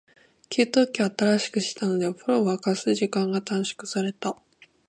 給湯器を新しくしたので、お風呂を沸かす時間が短縮された。